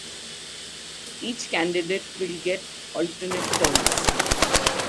Each candidate will get alternate turns.